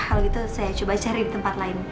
kalau gitu saya coba cari di tempat lain